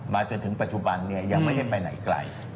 จนถึงปัจจุบันยังไม่ได้ไปไหนไกล